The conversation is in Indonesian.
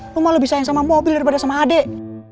lu malah lebih sayang sama mobil daripada sama adek